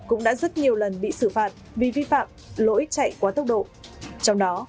cũng đã rất nhiều lần bị xử phạt vì vi phạm lỗi chạy quá tốc độ